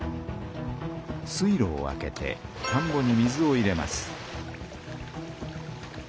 水路を開けてたんぼに水を入れます。